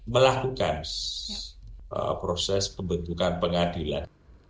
melakukan proses pembentukan pengadilan